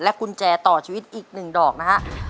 กุญแจต่อชีวิตอีก๑ดอกนะฮะ